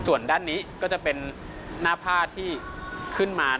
ส่วนด้านนี้ก็จะเป็นหน้าผ้าที่ขึ้นมา